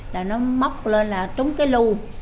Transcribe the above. là nó móc lên là trúng cái lưu